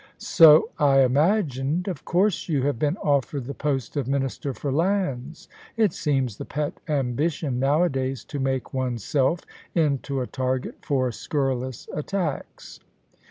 * So I imagined. Of course you have been offered the p)ost of Minister for I^nds. It seems the pet ambition now adays to make one's self into a target for scurrilous attacks.'